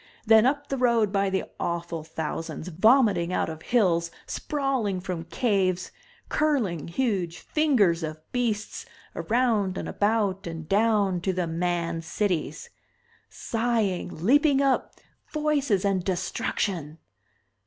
Then up the road, by the awful thousands, vomiting out of hills, sprawling from caves, curling, huge fingers of beasts, around and about and down to the Man Cities. Sighing, leaping up, voices and destruction!